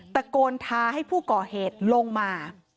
ตะโกนท้าให้ผู้ก่อเหตุลงมา